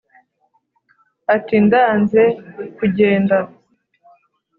ati: ndanze kugenda